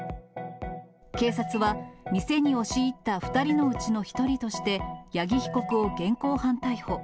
警察は、店に押し入った２人のうちの１人として、八木被告を現行犯逮捕。